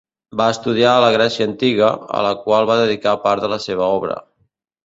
Va estudiar la Grècia antiga, a la qual va dedicar part de la seva obra.